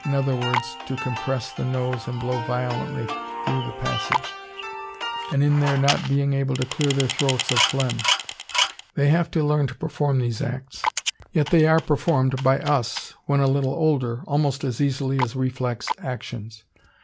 e._ to compress the nose and blow violently through the passage), and in their not being able to clear their throats of phlegm. They have to learn to perform these acts, yet they are performed by us, when a little older, almost as easily as reflex actions.